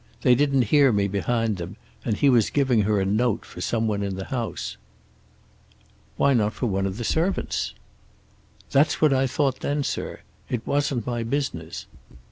They didn't hear me behind them, and he was giving her a note for some one in the house." "Why not for one of the servants?" "That's what I thought then, sir. It wasn't my business.